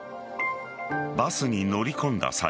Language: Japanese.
バスに乗り込んだ際